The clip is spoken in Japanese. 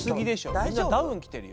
みんなダウン着てるよ。